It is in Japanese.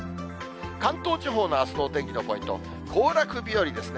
関東地方のあすのお天気のポイント、行楽日和ですね。